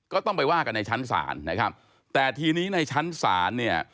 ก็ต้องไปว่ากันในชั้นศาลนะครับแต่ทีนี้ในชั้นศาลเนี่ย